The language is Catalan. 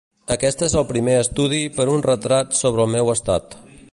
Aquest és el primer estudi per uns retrats sobre el meu estat.